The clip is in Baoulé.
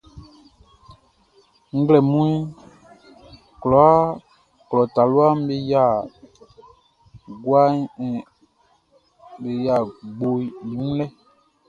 Nglɛmun kwlaaʼn, klɔ taluaʼm be yia gboʼn i wun lɛ.